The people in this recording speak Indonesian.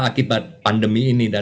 akibat pandemi ini